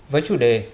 với chủ đề này